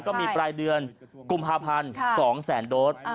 ก็มีปลายเดือนกุมภาพันธ์๒แสนโดส